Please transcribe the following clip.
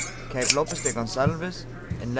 Cape Lopez de Gonzalves, in lat.